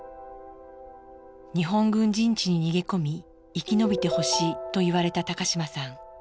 日本軍陣地に逃げ込み生き延びてほしいと言われた高島さん。